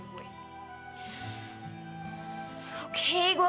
oke gue kerjain sini mana